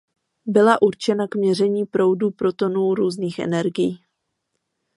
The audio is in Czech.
Byla určena k měření proudů protonů různých energií.